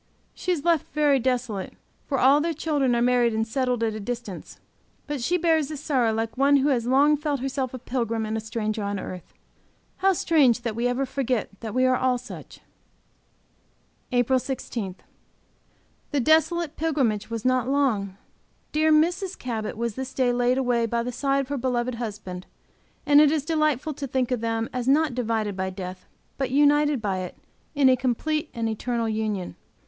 She is left very desolate, for all their children are married and settled at a distance. But she bears this sorrow like one who has long felt herself a pilgrim and a stranger on earth. How strange that we ever forget that we are all such! APRIL 16. The desolate pilgrimage was not long. Dear Mrs. Cabot was this day laid away by the side of her beloved husband, and it is delightful to think of them as not divided by death, but united by it in a complete and eternal union.